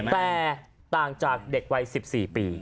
แต่ต่างจากเด็กวัย๑๔ปี